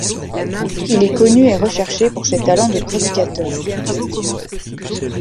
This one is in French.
Il est connu et recherché pour ses talents de prédicateur.